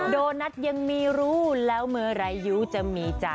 โดนัทยังมีรู้แล้วเมื่อรายุจะมีใจ